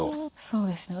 そうですね